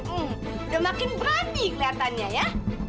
udah makin berani keliatannya ya